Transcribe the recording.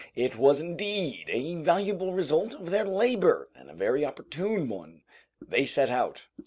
It was indeed a valuable result of their labor, and a very opportune one. They set out.